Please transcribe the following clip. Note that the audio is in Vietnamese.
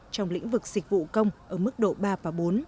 trong lĩnh vực dịch vụ công ở mức độ ba và bốn